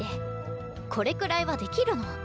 これくらいはできるの。